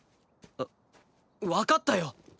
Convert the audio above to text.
あっわかったよ！